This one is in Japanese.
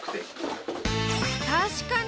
確かに！